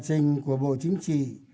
các tờ trình của bộ chính trị